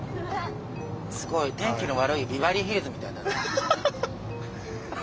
すごい天気の悪いビバリーヒルズみたい。